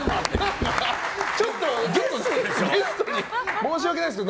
ゲストに申し訳ないですけど。